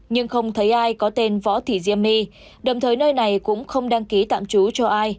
nhưng không thấy ai có tên võ thị diêm my đồng thời nơi này cũng không đăng ký tạm trú cho ai